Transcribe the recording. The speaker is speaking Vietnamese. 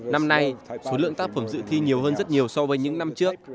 năm nay số lượng tác phẩm dự thi nhiều hơn rất nhiều so với những năm trước